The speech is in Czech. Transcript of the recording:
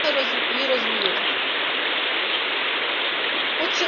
Potřebujeme ji rozvíjet.